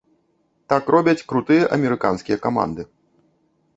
Так робяць крутыя амерыканскія каманды.